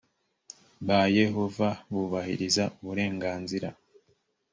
ba yehova bubahiriza uburenganzira